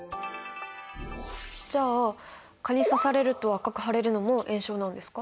じゃあ蚊に刺されると赤く腫れるのも炎症なんですか？